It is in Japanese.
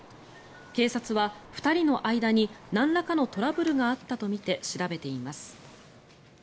警察は２人の間になんらかのトラブルがあったとみて調べています。